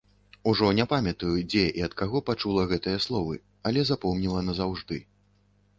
Ужо не памятаю, дзе і ад каго пачула гэтыя словы, але запомніла назаўжды.